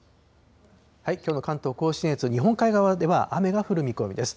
きょうの関東甲信越、日本海側では雨が降る見込みです。